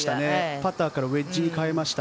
パターからウエッジに変えました。